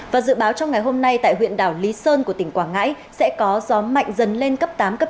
và dự báo trong ngày hôm nay tại huyện đảo lý sơn của tỉnh quảng ngãi sẽ có gió mạnh dần lên cấp tám cấp tám